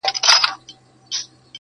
تر قیامته به یې حرف ویلی نه وای!٫.